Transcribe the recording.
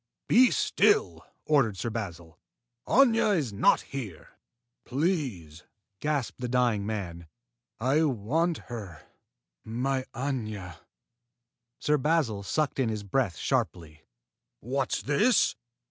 "Be still!" ordered Sir Basil. "Aña is not here." "Please!" gasped the dying man. "I want her my Aña!" Sir Basil sucked in his breath sharply. "What's this?